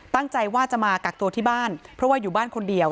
ตั้งใจว่าจะมากักตัวที่บ้านเพราะว่าอยู่บ้านคนเดียว